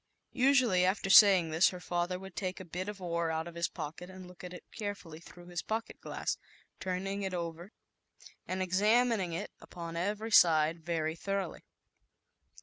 Usu ally, after saying this, her father w r ould take a bit of ore out of his pocket and look at it carefully through his pocket glass, turning it over, and examining it upon every side very thoroughly.